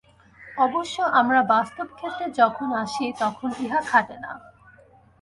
অবশ্য আমরা বাস্তব-ক্ষেত্রে যখন আসি, তখন ইহা খাটে না।